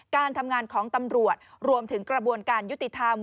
การทำงานของตำรวจรวมถึงกระบวนการยุติธรรม